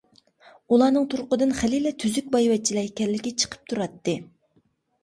ئۇلارنىڭ تۇرقىدىن خېلىلا تۈزۈك بايۋەچچىلەر ئىكەنلىكى چىقىپ تۇراتتى.